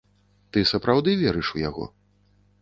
Ты сапраўды верыш у яго?